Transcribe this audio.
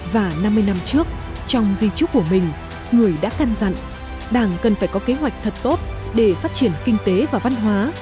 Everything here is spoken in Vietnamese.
và năm mươi năm trước trong di trúc của mình người đã căn dặn đảng cần phải có kế hoạch thật tốt để phát triển kinh tế và văn hóa